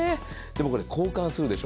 これ、交換するでしょ。